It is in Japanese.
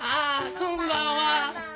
こんばんは。